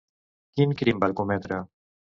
Quin crim va cometre?